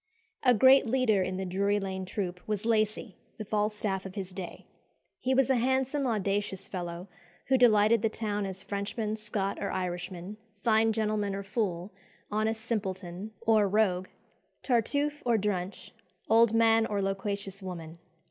A great leader in the Drury Lane troop was Lacy, the Falstaff of his day. He was a handsome, audacious fellow, who delighted the town as "Frenchman, Scot, or Irishman, fine gentleman or fool, honest simpleton or rogue, Tartuffe or Drench, old man or loquacious woman."